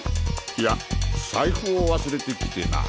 いやサイフを忘れてきてな。